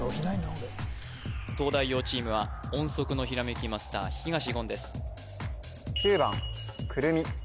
俺東大王チームは音速のひらめきマスター東言です